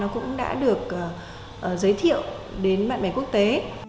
cũng đã được giới thiệu đến bạn bè quốc tế